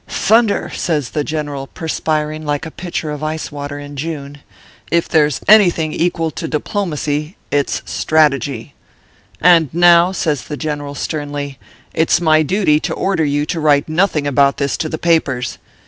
Thunder !" says the General, perspiring like a pitcher of ice water in June, " if there s any thing equal to diplomacy it s strategy. And now," says the General, sternly, " it s my duty to order you to write nothing about this to the papers.